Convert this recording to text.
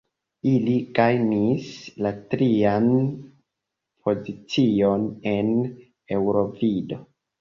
Ili gajnis la trian pozicion en Eŭrovido.